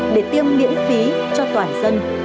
để tiêm miễn phí cho toàn dân